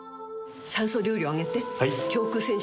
酸素流量上げて。